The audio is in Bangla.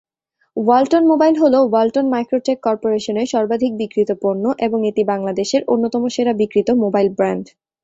ওয়ালটন মোবাইল হলো ওয়ালটন মাইক্রো-টেক কর্পোরেশনের সর্বাধিক বিক্রিত পণ্য এবং এটি বাংলাদেশের অন্যতম সেরা বিক্রিত মোবাইল ব্র্যান্ড।